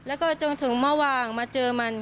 แล้วก็จนถึงเมื่อวานมาเจอมัน